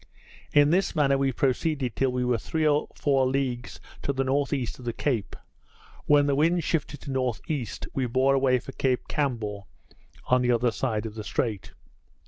In this manner we proceeded till we were three or four leagues to the N.E. of the Cape; when the wind shifted to N.E., we bore away for Cape Campbell on the other side of the Strait.